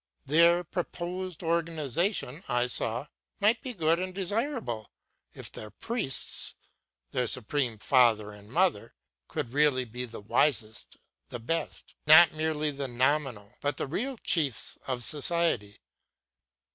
Their proposed organization, I saw, might be good and desirable if their priests, their Supreme Father and Mother, could really be the wisest, the best, not merely the nominal but the real chiefs of society.